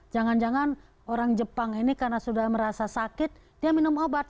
jangan jangan orang jepang ini karena sudah merasa sakit dia minum obat